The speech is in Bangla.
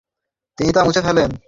তিনি তা মুছে ফেলেন।